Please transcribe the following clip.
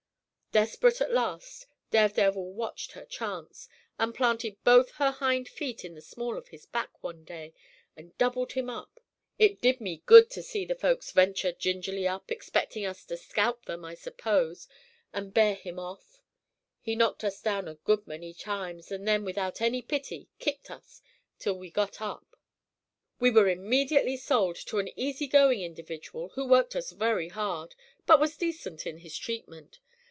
"Desperate at last, Daredevil watched her chance, and planted both her hind feet in the small of his back, one day, and doubled him up. It did me good to see the folks venture gingerly up, expecting us to scalp them, I suppose, and bear him off. He'd knocked us down a good many times, and then without pity kicked us till we got up. "We were immediately sold to an easy going individual who worked us very hard, but was decent in his treatment.